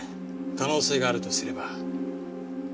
可能性があるとすれば。